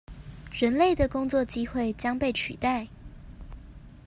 人類的工作機會將被取代？